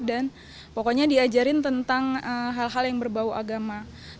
dan pokoknya diajarin tentang hal hal yang berbau agama